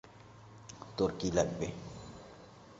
তোর কী লাগবে?